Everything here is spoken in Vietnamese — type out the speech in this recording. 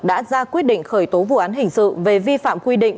đã ra quyết định khởi tố vụ án hình sự về vi phạm quy định